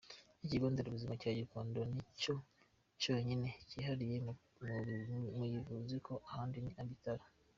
Ikigo nderabuzima cya Gikonko nicyo cyonyine cyihariye mu kuyivura kuko ahandi ni mu bitaro.